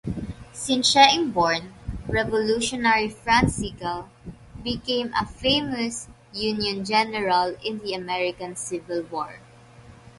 Sinsheim-born revolutionary Franz Sigel became a famous Union general in the American Civil War.